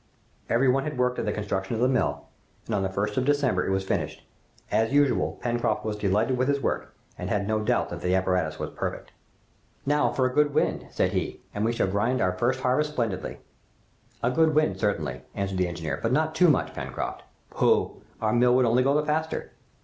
Every one had worked at the construction of the mill, and on the 1st of December it was finished. As usual, Pencroft was delighted with his work, and had no doubt that the apparatus was perfect. "Now for a good wind," said he, "and we shall grind our first harvest splendidly!" "A good wind, certainly," answered the engineer, "but not too much, Pencroft." "Pooh! our mill would only go the faster!"